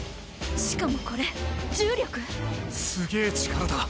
しかもこれ重力⁉すげぇ力だ！